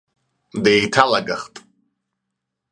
Деиҭалагахт!